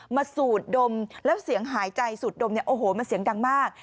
สูดดมแล้วเสียงหายใจสูดดมเนี่ยโอ้โหมันเสียงดังมาก